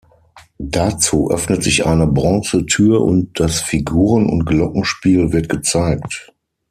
Dazu öffnet sich eine Bronzetür und das Figuren- und Glockenspiel wird gezeigt.